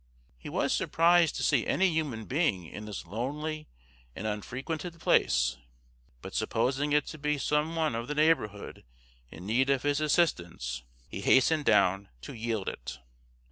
He was surprised to see any human being in this lonely and unfrequented place, but supposing it to be some one of the neighborhood in need of his assistance, he hastened down to yield it.